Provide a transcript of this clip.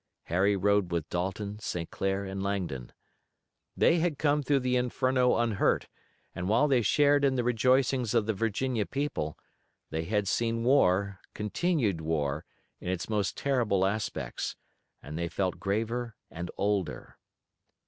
Harry rode with Dalton, St. Clair and Langdon. They had come through the inferno unhurt, and while they shared in the rejoicings of the Virginia people, they had seen war, continued war, in its most terrible aspects, and they felt graver and older.